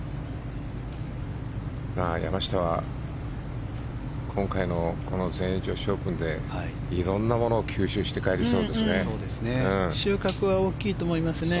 山下は今回のこの全英女子オープンで色んなものを吸収して帰りそうですね。